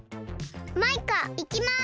マイカいきます。